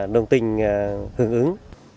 đồng tình hướng ứng